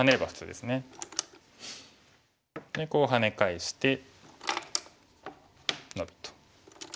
でこうハネ返してノビと。